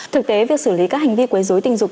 thực tế việc xử lý các hành vi quấy dối tình dục